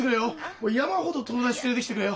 もう山ほど友達連れてきてくれよ。